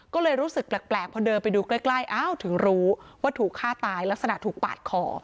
ก็เลยรู้สึกแปลกพอเดินไปดูใกล้อ้าวถึงรู้ว่าถูกฆ่าตายลักษณะถูกปาดคอ